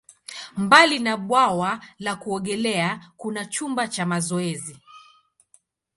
Mbali na bwawa la kuogelea, kuna chumba cha mazoezi.